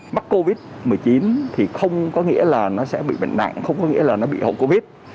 mắc covid một mươi chín thì không có nghĩa là nó sẽ bị bệnh nặng không có nghĩa là nó bị hậu covid